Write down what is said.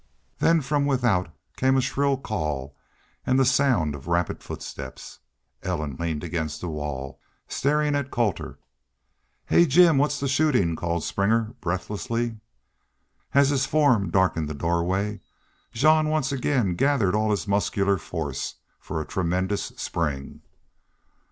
Then from without came a shrill call and the sound of rapid footsteps. Ellen leaned against the wall, staring still at Colter. "Hey, Jim what's the shootin'?" called Springer, breathlessly. As his form darkened the doorway Jean once again gathered all his muscular force for a tremendous spring.